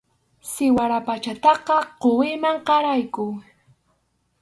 Siwara chhapataqa quwiman qaraykuy.